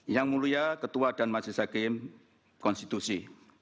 yang mulia ketua dan majelis hakim konstitusi